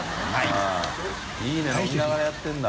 いい飲みながらやってるんだ。